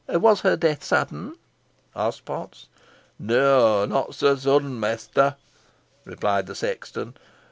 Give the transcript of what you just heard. "Was her death sudden?" asked Potts. "Neaw, not so sudden, mester," replied the sexton.